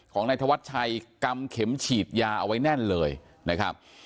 ของนายธวัชชัยกำเข็มฉีดยาเอาไว้แน่นเลยนะครับ